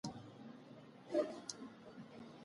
استاد د پښتنو د ټولنیز ژوند هنداره ګڼل کېږي.